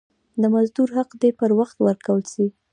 د مزدور حق دي پر وخت ورکول سي.